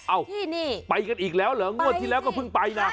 ไปกันอีกแล้วเหรองวดที่แล้วก็เพิ่งไปนะ